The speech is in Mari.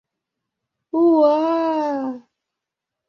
Уа-а!..